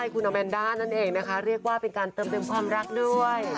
คุณอแมนด้านั่นเองนะคะเรียกว่าเป็นการเติมเต็มความรักด้วย